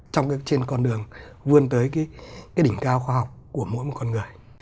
trong trên con đường vươn tới cái đỉnh cao khoa học của mỗi một con người